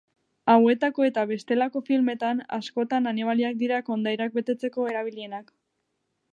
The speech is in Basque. Hauetako eta bestelako filmetan, askotan animaliak dira kondairak betetzeko erabilienak.